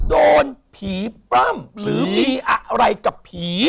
โดนผีปล้ำหรือมีอะไรกับผี